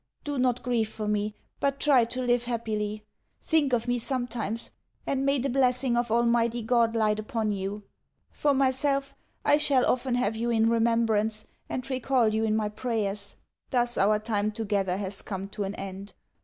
Do not grieve for me, but try to live happily. Think of me sometimes, and may the blessing of Almighty God light upon you! For myself, I shall often have you in remembrance, and recall you in my prayers. Thus our time together has come to an end.